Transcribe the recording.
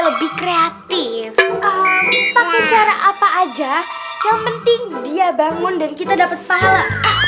lebih kreatif pakai cara apa aja yang penting dia bangun dan kita dapat pahala